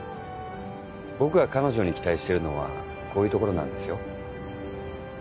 僕が彼女に期待してるのはこういうところなんですよ。